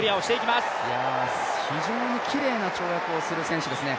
非常にきれいな跳躍をする選手ですね。